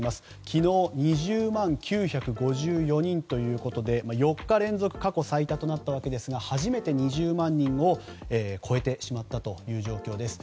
昨日２０万９５４人ということで４日連続で過去最多となったわけですが初めて２０万人を超えてしまった状況です。